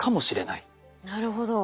なるほど。